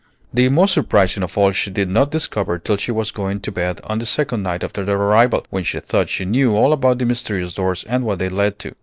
The most surprising of all she did not discover till she was going to bed on the second night after their arrival, when she thought she knew all about the mysterious doors and what they led to.